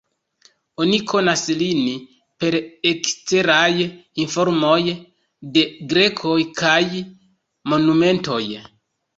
Oni konas lin per eksteraj informoj de grekoj kaj monumentoj.